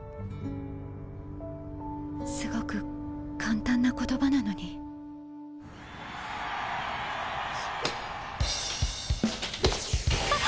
すごく簡単な言葉なのに・あっ！